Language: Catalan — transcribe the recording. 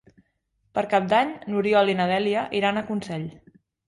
Per Cap d'Any n'Oriol i na Dèlia iran a Consell.